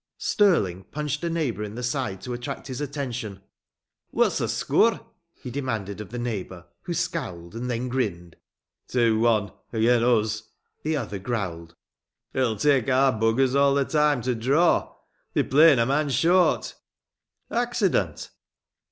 Stirling punched a neighbour in the side to attract his attention. "What's the score?" he demanded of the neighbour, who scowled and then grinned. "Two one agen uz!" The other growled. "It'll take our b s all their time to draw. They're playing a man short." "Accident?"